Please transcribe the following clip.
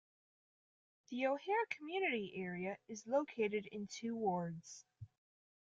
The O'Hare community area is located in two wards.